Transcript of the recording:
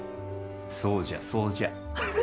そうじゃそうじゃ。